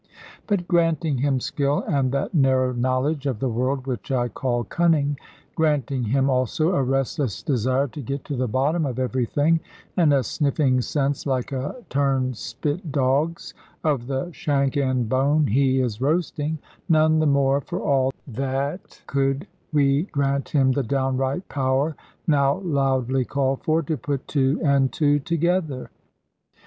But granting him skill, and that narrow knowledge of the world which I call "cunning;" granting him also a restless desire to get to the bottom of everything, and a sniffing sense like a turnspit dog's, of the shank end bone he is roasting, none the more for all that could we grant him the downright power, now loudly called for, to put two and two together.